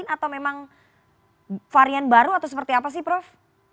atau memang varian baru atau seperti apa sih prof